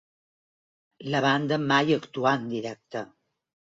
La banda mai actuà en directe.